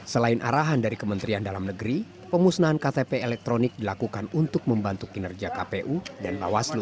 selain arahan dari kementerian dalam negeri pemusnahan ktp elektronik dilakukan untuk membantu kinerja kpu dan bawaslu